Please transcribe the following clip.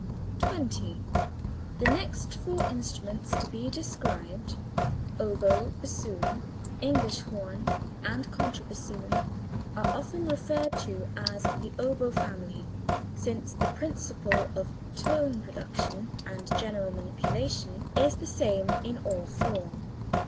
] 20. The next four instruments to be described (oboe, bassoon, English horn, and contra bassoon) are often referred to as the oboe family since the principle of tone production and general manipulation is the same in all four.